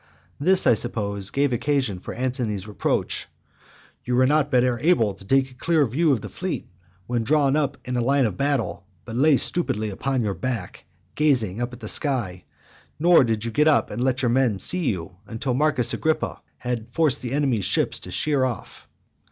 This, I suppose, gave occasion for Antony's reproach: "You were not able to take a clear view of the fleet, when drawn up in line of battle, but lay stupidly upon your back, gazing at the sky; nor did you get up and let your men see you, until Marcus Agrippa had forced the enemies' ships to sheer off."